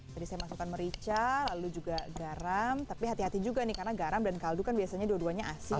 tadi saya masukkan merica lalu juga garam tapi hati hati juga nih karena garam dan kaldu kan biasanya dua duanya asin